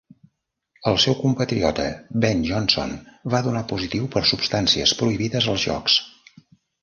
El seu compatriota Ben Johnson va donar positiu per substàncies prohibides als Jocs.